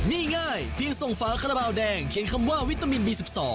นี่ง่ายเพียงส่งฝาคาราบาลแดงเขียนคำว่าวิตามินบี๑๒